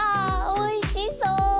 おいしそう！